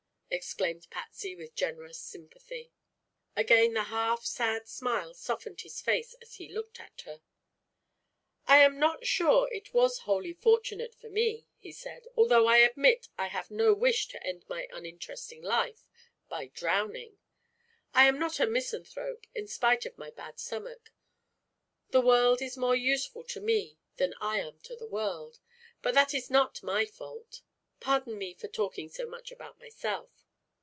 exclaimed Patsy, with generous sympathy. Again the half sad smile softened his face as he looked at her. "I am not sure it was wholly fortunate for me," he said, "although I admit I have no wish to end my uninteresting life by drowning. I am not a misanthrope, in spite of my bad stomach. The world is more useful to me than I am to the world, but that is not my fault. Pardon me for talking so much about myself."